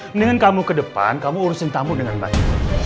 mendingan kamu ke depan kamu urusin tamu dengan baik